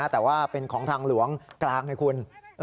แต่ว่าเป็นของทางหลวงกลางไงคุณ